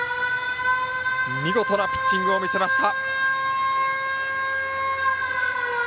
見事なピッチングを見せました。